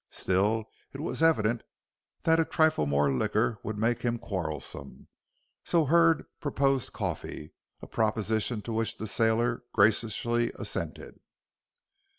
Still, it was evident that a trifle more liquor would make him quarrelsome, so Hurd proposed coffee, a proposition to which the sailor graciously assented.